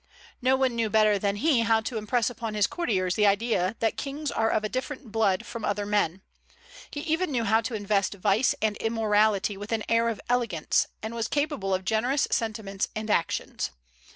No one knew better than he how to impress upon his courtiers the idea that kings are of a different blood from other men. He even knew how to invest vice and immorality with an air of elegance, and was capable of generous sentiments and actions.